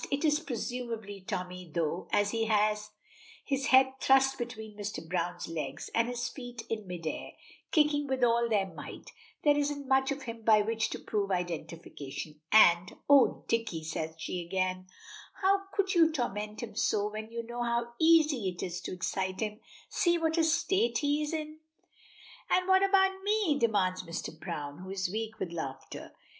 It is presumably Tommy, though, as he has his head thrust between Mr. Browne's legs, and his feet in mid air, kicking with all their might, there isn't much of him by which to prove identification. And "Oh, Dicky," says, she again, "how could you torment him so, when you know how easy it is to excite him. See what a state he is in!" "And what about me?" demands Mr. Browne, who is weak with laughter.